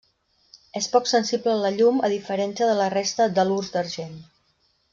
És poc sensible a la llum a diferència de la resta d'halurs d'argent.